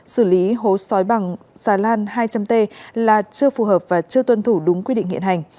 xử lý hố sói bằng xà lan hai trăm linh t là chưa phù hợp và chưa tuân thủ đúng quy định hiện hành